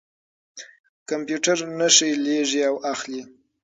کمپیوټر نښې لېږي او اخلي.